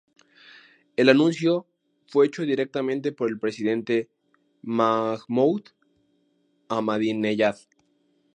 El anuncio fue hecho directamente por el presidente Mahmoud Ahmadineyad.